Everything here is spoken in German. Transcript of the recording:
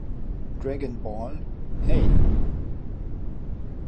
Dragon Ball: Hey!